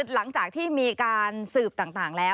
หลังจากที่มีการสืบต่างแล้ว